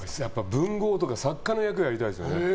文豪とか作家の役をやりたいですね。